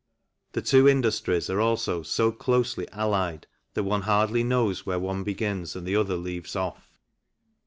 The two industries are also so closely allied that one hardly knows where one begins and the other leaves off.